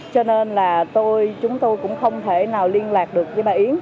cho nên là tôi chúng tôi cũng không thể nào liên lạc được với bà yến